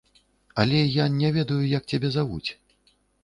Але я не ведаю, як цябе завуць.